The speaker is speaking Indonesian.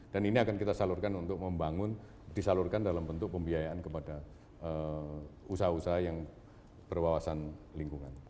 dan ini akan kita salurkan untuk membangun disalurkan dalam bentuk pembiayaan kepada usaha usaha yang berwawasan lingkungan